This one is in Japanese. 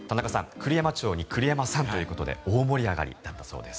栗山町に栗山さんということで大盛り上がりだったそうです。